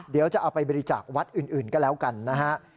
เดี๋ยวจะเอาไปบริจาควัดอื่นก็แล้วกันนะฮะ